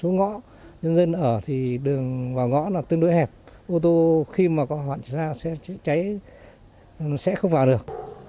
ngõ là tương đối hẹp ô tô khi mà có hoạn cháy cháy sẽ không vào được